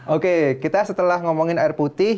oke kita setelah ngomongin air putih